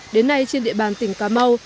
đến nay trên địa bàn tỉnh cà mau